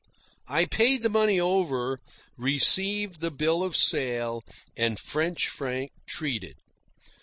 I paid the money over, received the bill of sale, and French Frank treated.